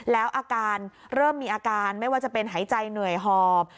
แล้วอาการเริ่มมีอาการไม่ว่าจะเป็นหายใจเหนื่อยหอบ